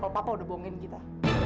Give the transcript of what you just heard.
kalau papa udah bohongin kita